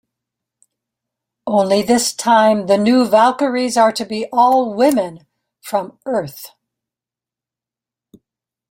Only this time the new Valkyries are to be all women from Earth.